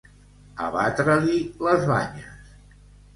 Abatre-li les banyes.